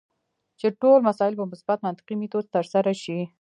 چې ټول مسایل په مثبت منطقي میتود ترسره شي.